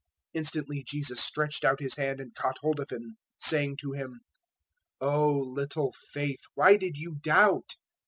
014:031 Instantly Jesus stretched out His hand and caught hold of him, saying to him, "O little faith, why did you doubt?"